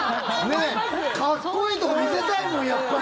かっこいいとこ見せたいもんやっぱり。